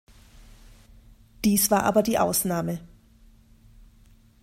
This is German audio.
Dies war aber die Ausnahme.